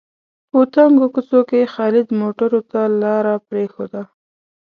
په تنګو کوڅو کې خالد موټرو ته لاره پرېښوده.